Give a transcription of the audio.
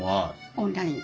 オンライン。